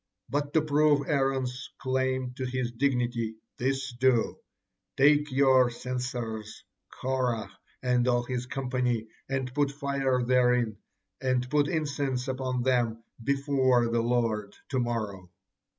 But to prove Aaron's claim to his dignity, 'this do; take you censers, Korah, and all his company; and put fire therein, and put incense upon them before the Lord to morrow.'